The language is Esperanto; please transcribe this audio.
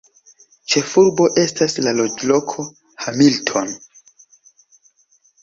Ĉefurbo estas la loĝloko Hamilton.